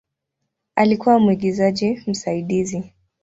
Alikuwa mwigizaji msaidizi.